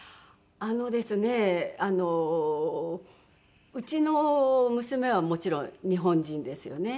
あのですねうちの娘はもちろん日本人ですよね。